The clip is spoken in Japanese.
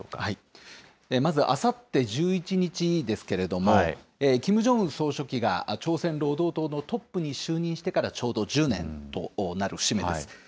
まず、あさって１１日ですけれども、キム・ジョンウン総書記が朝鮮労働党のトップに就任してからちょうど１０年となる節目です。